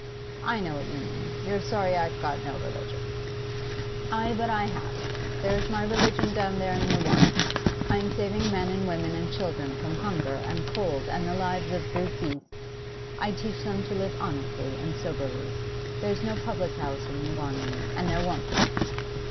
'I know what you mean. You're sorry I've got no religion. Ay, but I have! There's my religion, down there in New Wanley. I'm saving men and women and children from hunger and cold and the lives of brute beasts. I teach them to live honestly and soberly. There's no public house in New Wanley, and there won't be.